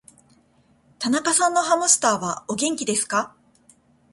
田中さんのハムスターは、お元気ですか。